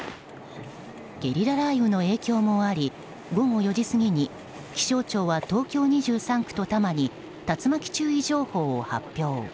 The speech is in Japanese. ゲリラ雷雨の影響もあり午後４時過ぎに気象庁は東京２３区と多摩に竜巻注意情報を発表。